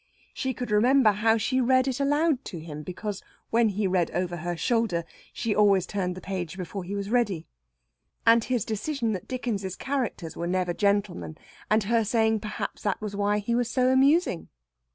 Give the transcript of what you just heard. She could remember how she read it aloud to him, because, when he read over her shoulder, she always turned the page before he was ready. And his decision that Dickens's characters were never gentlemen, and her saying perhaps that was why he was so amusing.